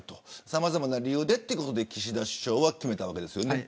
さまざまな理由で、ということで岸田首相が決めたんですよね。